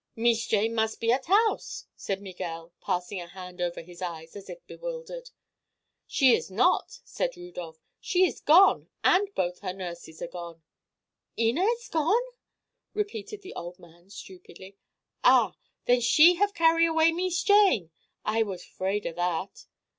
"Mees Jane mus' be at house," said Miguel, passing a hand over his eyes as if bewildered. "She is not," said Rudolph. "She is gone, and both her nurses are gone." "Inez gone?" repeated the old man, stupidly. "Ah; then she have carried away Mees Jane! I was 'fraid of that."